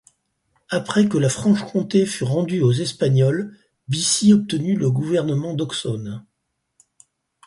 Après que la Franche-Comté fut rendu aux Espagnol, Bissy obtenu le gouvernement d'Auxonne.